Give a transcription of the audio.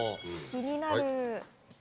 気になる。